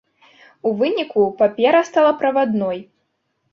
У выніку папера стала правадной.